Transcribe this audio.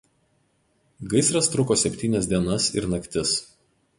Gaisras truko septynias dienas ir naktis.